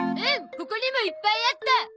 ここにもいっぱいあった！